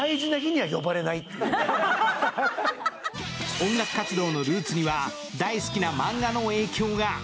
音楽活動のルーツには大好きなマンガの影響が。